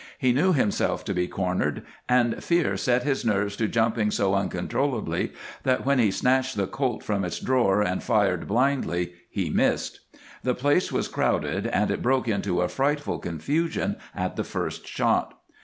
He knew himself to be cornered, and fear set his nerves to jumping so uncontrollably that when he snatched the Colt's from its drawer and fired blindly, he missed. The place was crowded, and it broke into a frightful confusion at the first shot.